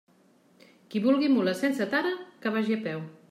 Qui vulgui mula sense tara, que vagi a peu.